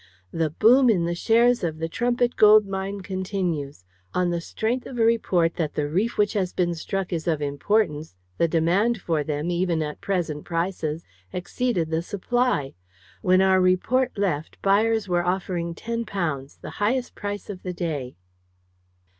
"The boom in the shares of the Trumpit Gold Mine continues. On the strength of a report that the reef which has been struck is of importance, the demand for them, even at present prices, exceeded the supply. When our report left, buyers were offering £10 the highest price of the day."